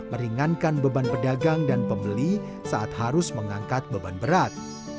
meringankan beban pedagang dan pembeli saat harus mengangkat beban berat